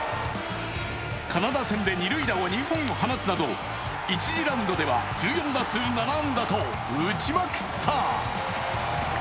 カナダ戦で二塁打を２本放つなど１次ラウンドでは１４打数７安打と打ちまくった。